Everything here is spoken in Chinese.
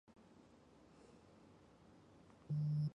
而尼布尔海姆事件也收录在游戏中。